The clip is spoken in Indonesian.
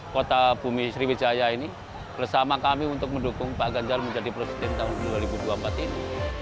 kota bumi sriwijaya ini bersama kami untuk mendukung pak ganjar menjadi presiden tahun dua ribu dua puluh empat ini